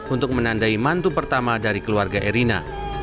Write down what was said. untuk menandai mantu pertama dari keluarga erina